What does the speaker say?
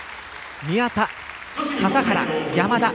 宮田、笠原、山田